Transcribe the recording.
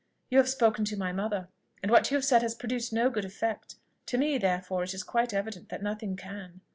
You have spoken to my mother, and what you have said has produced no good effect: to me, therefore, it is quite evident that nothing can.